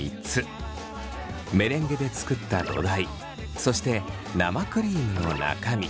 メレンゲで作った土台そして生クリームの中身